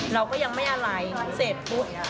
เราก็ยังไม่อะไรเสร็จปุ๊บ